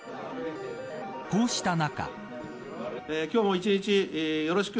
こうした中。